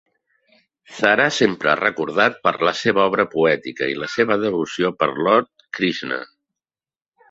Serà sempre recordat per la seva obra poètica i la seva devoció per Lord Krishna.